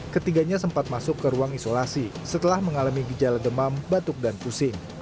ketiganya sempat masuk ke ruang isolasi setelah mengalami gejala demam batuk dan pusing